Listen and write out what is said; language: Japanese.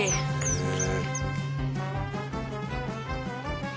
へえ！